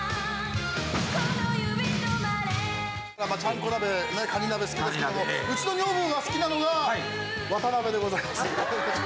ちゃんこ鍋、カニ鍋好きですけどもうちの女房が好きなのが渡辺でございます。